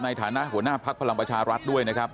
ในฐานะหัวหน้าภักดิ์พลังประชารัฐด้วยนะครับ